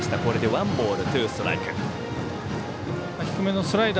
ワンボール、ツーストライク。